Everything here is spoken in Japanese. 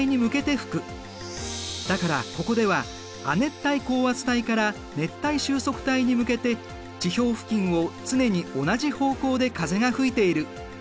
だからここでは亜熱帯高圧帯から熱帯収束帯に向けて地表付近を常に同じ方向で風が吹いている。